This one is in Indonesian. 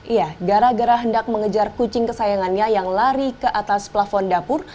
ia gara gara hendak mengejar kucing kesayangannya yang lari ke atas plafon dapur